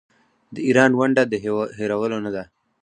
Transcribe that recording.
د ایران ونډه د هیرولو نه ده.